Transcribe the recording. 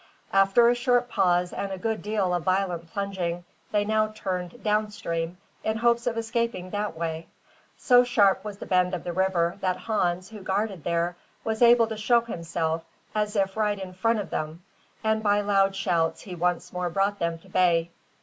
After a short pause and a good deal of violent plunging, they now turned down stream, in hopes of escaping that way. So sharp was the bend of the river, that Hans, who guarded there, was able to show himself, as if right in front of them, and by loud shouts he once more brought them to bay.